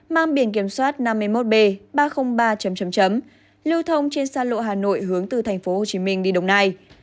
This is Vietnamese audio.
mang biển kiểm soát năm mươi một b ba trăm linh ba lưu thông trên xa lộ hà nội hướng từ tp hcm đi đồng nai